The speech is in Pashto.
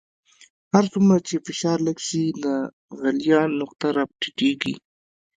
هر څومره چې فشار لږ شي د غلیان نقطه را ټیټیږي.